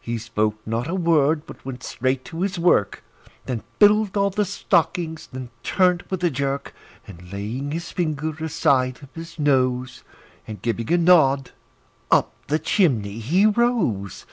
He spoke not a word, but went straight to his work, And filled all the stockings; then turned with a jerk, And laying his finger aside of his nose, And giving a nod, up the chimney he rose.